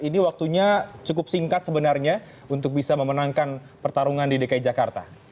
ini waktunya cukup singkat sebenarnya untuk bisa memenangkan pertarungan di dki jakarta